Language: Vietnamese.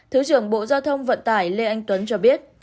thứ trưởng bộ giao thông vận tải lê anh tuấn cho biết